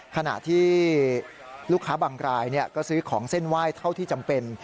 ขณะที่ลูกค้าบางรายก็ซื้อของเส้นไหว้เท่าที่จำเป็น